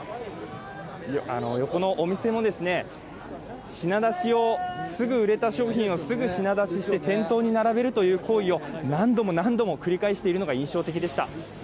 横のお店も、品出しを、売れた商品をすぐに店頭に並べるという行為を何度も何度も繰り返しているのが印象的でした。